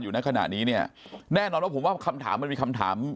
ณขณะนี้เนี่ยแน่นอนว่าผมว่าคำถามมันมีคำถาม